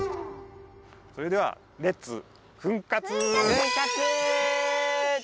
それではレッツ墳活。